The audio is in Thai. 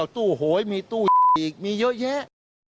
ตู้โหยมีตู้อีกมีเยอะแยะ